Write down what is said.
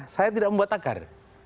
karena saya gak mau buat tagar